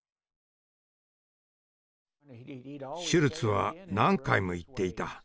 シュルツは何回も言っていた。